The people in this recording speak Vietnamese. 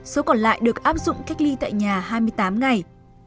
số còn lại được áp dụng cách ly tại nhà hai mươi tám ngày